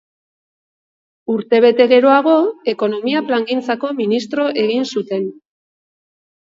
Urtebete geroago, Ekonomia Plangintzako ministro egin zuten.